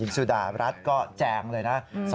คุณหญิงสุดารัสก็แจงเลยนะ